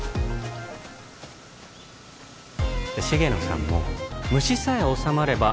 重野さんも虫さえ収まれば